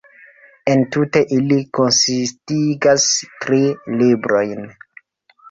Entute ili konsistigas tri "librojn".